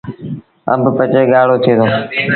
آݩب پچي ڳآڙو ٿئي دو۔